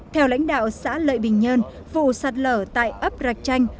theo lãnh đạo xã lợi bình nhơn vụ sạt lở tại ấp rạch chanh